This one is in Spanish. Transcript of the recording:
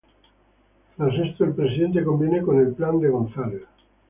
Tras esto, el Presidente conviene con el plan de Weir.